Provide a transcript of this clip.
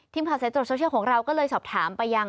ทีมขาวเซ็ตโดนโซเชียลของเราก็เลยสอบถามไปยัง